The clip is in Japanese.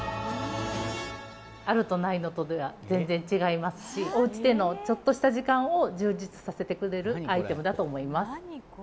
あるとないのとでは全然違いますしおうちでのちょっとした時間を充実させてくれるアイテムだと思います。